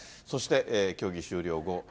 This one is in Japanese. そして競技終了後。